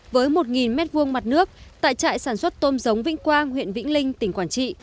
với một m hai mặt nước tại trại sản xuất tôm giống vinh quang huyện vĩnh linh tỉnh quảng trị